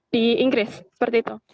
di inggris seperti itu